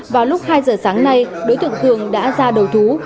vào lúc hai giờ sáng nay đối tượng cường đã ra đầu thú